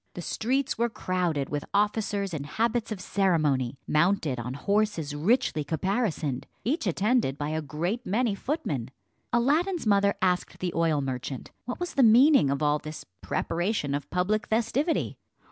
The streets were crowded with officers in habits of ceremony, mounted on horses richly caparisoned, each attended by a great many footmen. Aladdin's mother asked the oil merchant what was the meaning of all this preparation of public festivity.